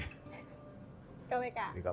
lihatlah sih ya di kpk